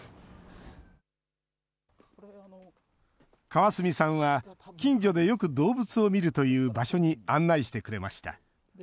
川角さんは近所でよく動物を見るという場所に案内してくれました。